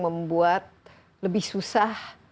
membuat lebih susah